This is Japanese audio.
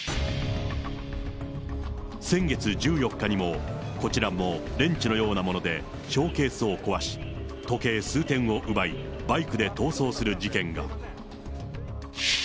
先月１４日にも、こちらもレンチのようなものでショーケースを壊し、時計数点を奪い、バイクで逃走する事件が。